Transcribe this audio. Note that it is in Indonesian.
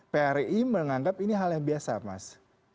phri menganggap ini hal yang biasa mas